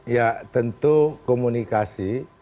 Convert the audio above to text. ya tentu komunikasi